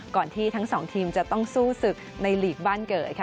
ที่ทั้งสองทีมจะต้องสู้ศึกในหลีกบ้านเกิดค่ะ